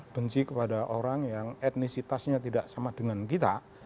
benci kepada orang yang etnisitasnya tidak sama dengan kita